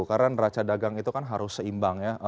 karena raca dagang itu kan harus seimbang ya